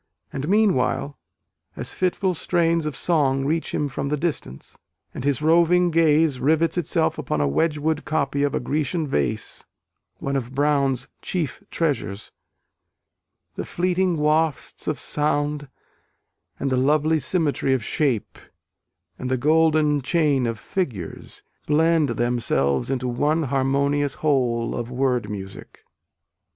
And meanwhile, as fitful strains of song reach him from the distance, and his roving gaze rivets itself upon a Wedgwood copy of a Grecian vase one of Brown's chief treasures the fleeting wafts of sound, and the lovely symmetry of shape, and the golden chain of figures, blend themselves into one harmonious whole of word music.